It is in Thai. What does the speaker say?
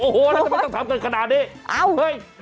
โอ้โหแล้วทำไมต้องทำกันขนาดนี้